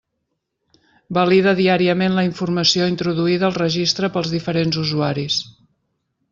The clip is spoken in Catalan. Valida diàriament la informació introduïda al Registre pels diferents usuaris.